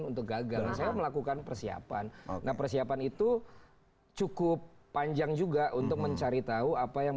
untuk gagal saya melakukan persiapan nah persiapan itu cukup panjang juga untuk mencari tahu apa yang